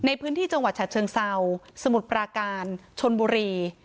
ในพื้นที่จังหวัดฉะเชิงเศร้าสมุทรปราการชนบุรี